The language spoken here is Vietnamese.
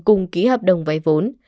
cùng ký hợp đồng vay vốn